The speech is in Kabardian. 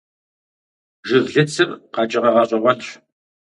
Жыглыцыр къэкӀыгъэ гъэщӀэгъуэнщ.